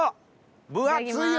分厚いよ！